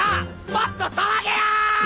もっと騒げや！！